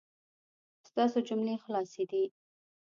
ستاسو جملې خلاصې دي